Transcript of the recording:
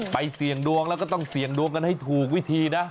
เสี่ยงดวงแล้วก็ต้องเสี่ยงดวงกันให้ถูกวิธีนะ